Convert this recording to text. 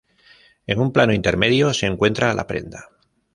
En un plano intermedio, se encuentra la prenda.